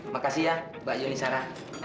makasih ya mbak yulisara